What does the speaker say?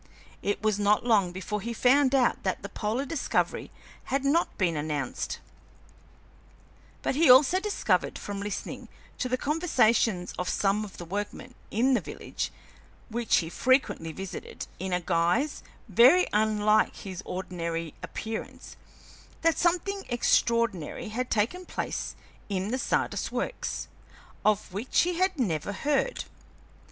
It was not long before he found out that the polar discovery had not been announced, but he also discovered from listening to the conversations of some of the workmen in the village, which he frequently visited in a guise very unlike his ordinary appearance, that something extraordinary had taken place in the Sardis Works, of which he had never heard.